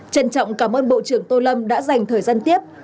trân trọng cảm ơn bộ trưởng tô lâm đã dành thời gian tiếp